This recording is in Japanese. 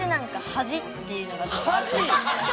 恥！？